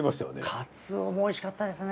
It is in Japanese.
カツオもおいしかったですね。